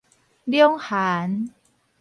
兩韓